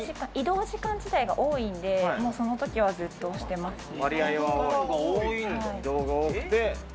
移動時間自体が多いんで、その時はずっとしてますね。